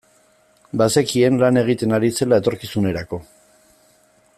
Bazekien lan egiten ari zela etorkizunerako.